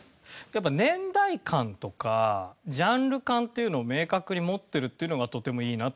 やっぱ年代観とかジャンル観っていうのを明確に持ってるっていうのがとてもいいなと思いましたね。